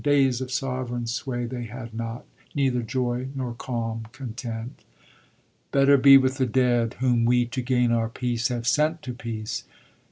Days of sovereign sway they had not; neither joy, nor calm content :— "Better be with the dead, Whom we, to gain our peace, have sent to peace.